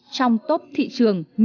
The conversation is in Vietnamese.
trung quốc đã vượt qua mỹ